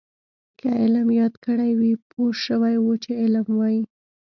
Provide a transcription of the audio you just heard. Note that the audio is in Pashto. که علم یاد کړی وی پوه شوي وو چې علم وايي.